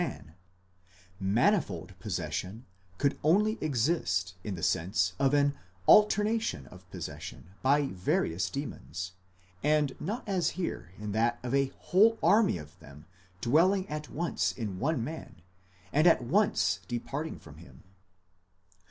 Manifold pos session could only exist in the sense of an alternation of possession by various demons, and not as here in that of a whole army of them dwelling at once in one man, and at once departing from him.